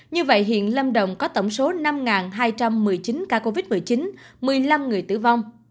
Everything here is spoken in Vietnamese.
như vậy hiện lâm đồng có tổng số năm hai trăm một mươi chín ca covid một mươi chín một mươi năm người tử vong